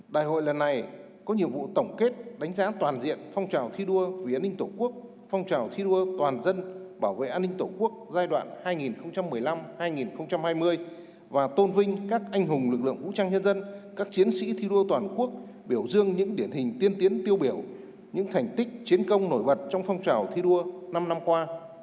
đại hội lần này có nhiệm vụ tổng kết đánh giá toàn diện phong trào thi đua vì an ninh tổ quốc phong trào thi đua toàn dân bảo vệ an ninh tổ quốc giai đoạn hai nghìn một mươi năm hai nghìn hai mươi và tôn vinh các anh hùng lực lượng vũ trang nhân dân các chiến sĩ thi đua toàn quốc biểu dương những điển hình tiên tiến tiêu biểu những thành tích chiến công nổi bật trong phong trào thi đua năm năm qua